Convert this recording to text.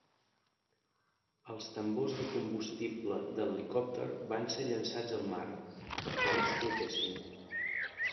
Els tambors de combustible de l'helicòpter van ser llançats al mar, perquè no explotessin.